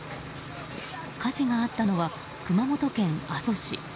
火事があったのは熊本県阿蘇市。